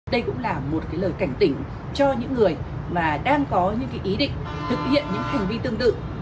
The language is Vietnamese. đây cũng là một cái lời cảnh tỉnh cho những người mà đang có những ý định thực hiện những hành vi tương tự